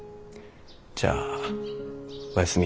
じゃあおやすみ。